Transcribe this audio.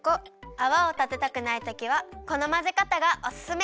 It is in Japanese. あわをたてたくないときはこのまぜかたがおすすめ！